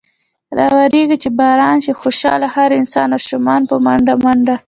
راورېږي چې باران۔ شي خوشحاله هر انسان ـ اشومان په منډه منډه ـ